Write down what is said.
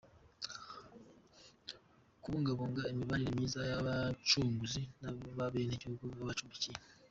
– Kubungabunga imibanire myiza y’Abacunguzi n’abenegihugu babacumbikiye;